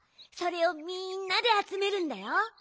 それをみんなであつめるんだよ。